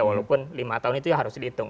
walaupun lima tahun itu ya harus dihitung